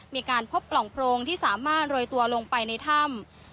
มีการพบปล่องโพรงที่สามารถโรยตัวลงไปในถ้ำ